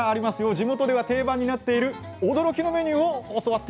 地元では定番になっている驚きのメニューを教わってきました。